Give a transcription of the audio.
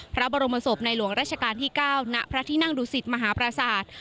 พระบรมศพในหลวงราชการที่๙ณพระที่นั่งดุสิตมหาปราศาสตร์